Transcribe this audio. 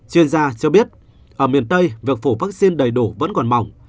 chuyên gia cho biết ở miền tây việc phổ vaccine đầy đủ vẫn còn mỏng